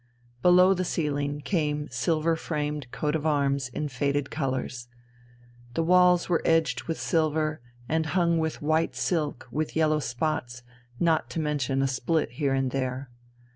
Below the ceiling came silver framed coats of arms in faded colours. The walls were edged with silver, and hung with white silk with yellow spots, not to mention a split here and there.